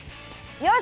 よし！